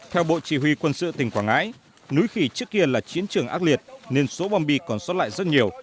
theo bộ chỉ huy quân sự tỉnh quảng ngãi núi khỉ trước kia là chiến trường ác liệt nên số bom bi còn xót lại rất nhiều